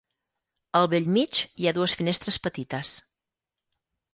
Al bell mig, hi ha dues finestres petites.